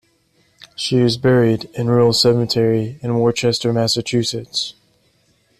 She is buried in Rural Cemetery in Worcester, Massachusetts.